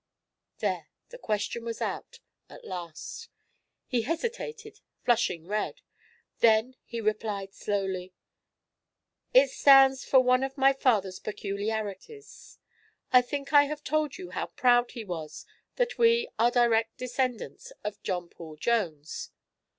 There! The question was out, at last. He hesitated, flushing read. Then he replied slowly: "It stands for one of my father's peculiarities. I think I have told you how proud he was that we are direct descendants of John Paul Jones.